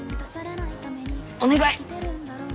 お願い！